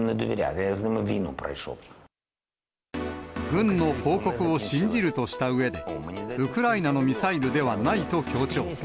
軍の報告を信じるとしたうえで、ウクライナのミサイルではないと強調。